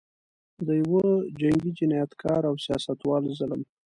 د یوه جنګي جنایتکار او سیاستوال ظلم.